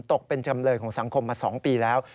ตกเป็นจำเลยของสังคมมา๒ปีแล้ว